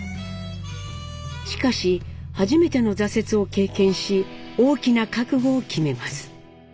しかし初めての挫折を経験し大きな覚悟を決めます。